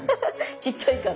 ちっちゃいから。